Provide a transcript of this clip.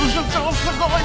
すごい！